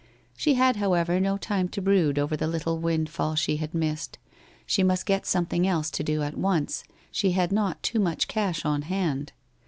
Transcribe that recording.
She had, however, no time to brood over the little wind fall she had missed. She must get something else to do at once, she had not too much cash on hand.